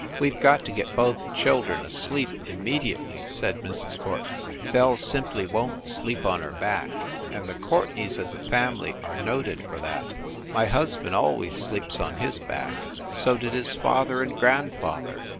"We ve got to get both children asleep immedi ately," said Mrs. Courtenay. "Belle simply won t sleep on her back, and the Courtenays as a family are noted for that. My husband always sleeps on his back; so did his father and grandfather.